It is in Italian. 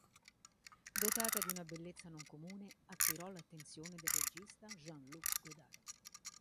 Dotata di una bellezza non comune attirò l'attenzione del regista Jean-Luc Godard.